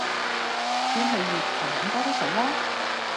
天氣熱就飲多啲水啦